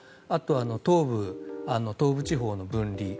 あとは東部地方の分離。